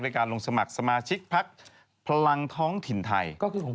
การลงสมัครสมาชิกพักพลังท้องถิ่นไทย